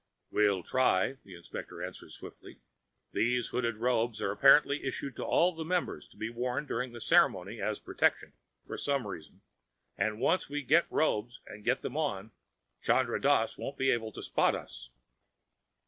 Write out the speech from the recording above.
"We'll try," the inspector answered swiftly. "Those hooded robes are apparently issued to all the members to be worn during the ceremony as protection, for some reason, and once we get robes and get them on, Chandra Dass won't be able to spot us.